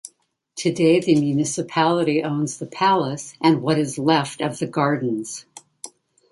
Today the municipality owns the palace and what is left of the gardens.